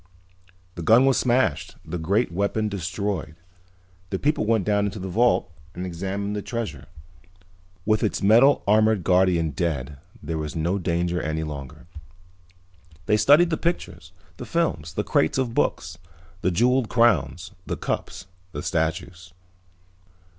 The gun was smashed, the great weapon destroyed. The people went down into the vault and examined the treasure. With its metal armored guardian dead there was no danger any longer. They studied the pictures, the films, the crates of books, the jeweled crowns, the cups, the statues.